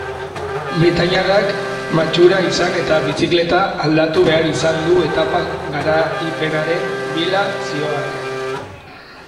Britaniarrak matxura izan eta bizikleta aldatu behar izan du etapa garaipenaren bila zihoanean.